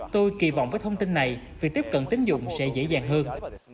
tôi kỳ vọng với thông tin này việc tiếp cận tín dụng sẽ dễ dàng hơn